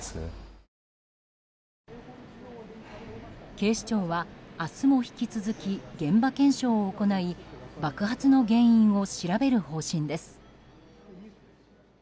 警視庁は明日も引き続き現場検証を行い爆発の原因を調べる方針です。